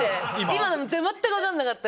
今のも全く分かんなかった。